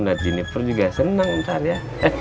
nda jennifer juga senang ntar ya